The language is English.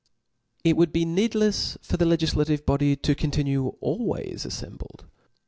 It woyld be needlefs for the legiflacive body to contiQue always aii^mbled.